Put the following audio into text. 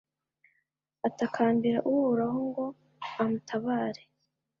atakambira uhoraho ngo amutabare